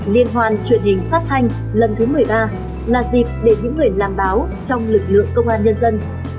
liên hoan truyền hình phát thanh lần thứ một mươi ba là dịp để những người làm báo trong lực lượng công an nhân dân